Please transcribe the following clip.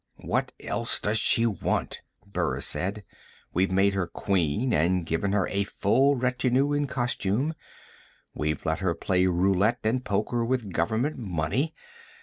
"What else does she want?" Burris said. "We've made her Queen and given her a full retinue in costume; we've let her play roulette and poker with Government money.